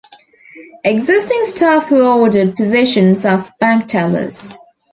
Existing staff were offered positions as bank tellers.